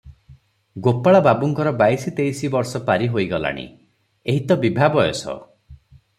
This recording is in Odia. ଗୋପାଳ ବାବୁଙ୍କର ବାଇଶ ତେଇଶ ବର୍ଷ ପାରି ହୋଇଗଲାଣି, ଏହି ତ ବିଭା ବୟସ ।